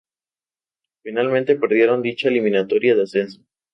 Finalmente perdieron dicha eliminatoria de ascenso.